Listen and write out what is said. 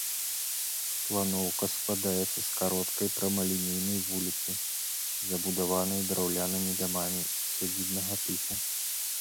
Планоўка складаецца з кароткай прамалінейнай вуліцы, забудаванай драўлянымі дамамі сядзібнага тыпу.